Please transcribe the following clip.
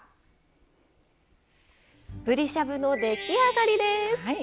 ぶりしゃぶの出来上がりです。